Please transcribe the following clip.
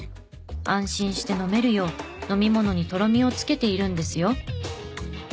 安心して飲めるよう飲み物にとろみをつけているんですよ。